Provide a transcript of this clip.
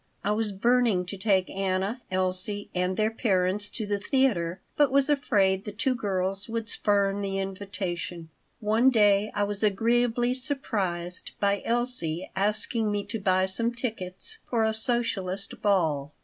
I was burning to take Anna, Elsie, and their parents to the theater, but was afraid the two girls would spurn the invitation One day I was agreeably surprised by Elsie asking me to buy some tickets for a socialist ball.